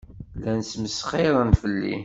Llan smesxiren fell-i.